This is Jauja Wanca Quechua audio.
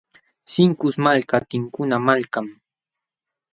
Sinkus malka tinkuna malkam.